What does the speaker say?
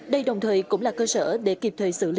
đây đồng thời cũng là cơ sở để kịp thời xử lý